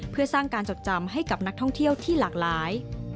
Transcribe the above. เพื่อสร้างการจดจำให้กับนักท่องเที่ยวที่หลากหลาย